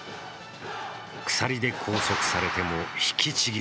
鎖で拘束されてもひきちぎる。